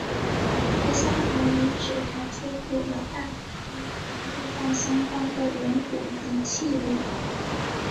十三行遗址还出土了大批和墓葬相关的人骨及器物。